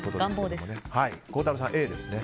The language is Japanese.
孝太郎さんはＡですね。